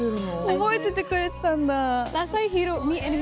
覚えててくれてたんだ。